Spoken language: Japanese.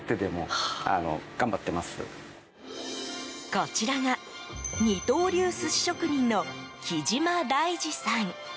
こちらが二刀流寿司職人の鬼嶋大二さん。